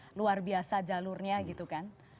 ini luar biasa jalurnya gitu kan